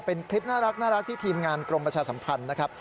เป็นคลิปน่ารักที่ทีมงานกรมประชาสัมพันธ์นะครับ